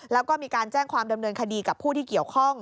แล้วก็มีการแจ้งความดำเนินคดีกับผู้ที่เกี่ยวข้อง